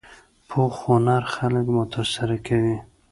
پوخ هنر خلک متاثره کوي